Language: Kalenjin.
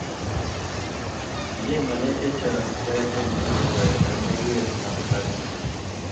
Kiyai ngalek chechang cheyachen kingotoy koee manywek kab Sake